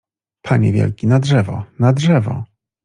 — Panie wielki, na drzewo! na drzewo!